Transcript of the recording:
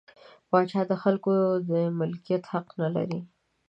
پاچا د خلکو د مالکیت حق نلري.